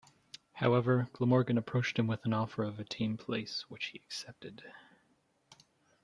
However, Glamorgan approached him with an offer of a team place which he accepted.